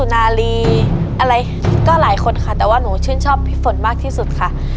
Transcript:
นาลีอะไรก็หลายคนค่ะแต่ว่าหนูชื่นชอบพี่ฝนมากที่สุดค่ะ